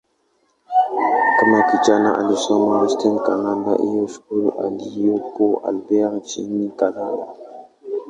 Kama kijana, alisoma "Western Canada High School" iliyopo Albert, nchini Kanada.